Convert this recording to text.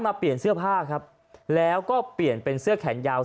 เปลี่ยนเสื้อผ้าครับแล้วก็เปลี่ยนเป็นเสื้อแขนยาว